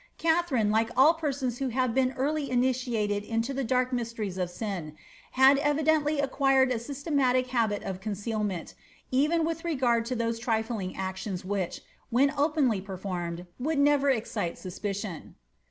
Katharine, like all persons who have been early initiated into the dark mysteries of sin, had evi dently acquired a systematic habit of concealment, even with regard to those trifling actions which, when openly performed, would never excite suspicion.